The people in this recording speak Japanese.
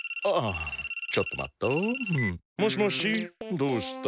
どうした？